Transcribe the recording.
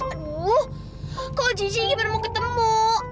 aduh kok gini gini baru mau ketemu